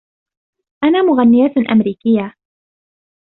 أنا مغنية أمريكية.